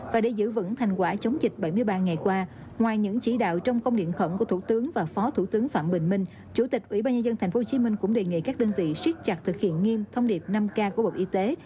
và để giữ vững thành quả chống dịch bảy mươi ba ngày qua ngoài những chỉ đạo trong công điện khẩn của thủ tướng và phó thủ tướng phạm bình minh chủ tịch ủy ban nhân dân tp hcm cũng đề nghị các đơn vị siết chặt thực hiện nghiêm thông điệp năm k của bộ y tế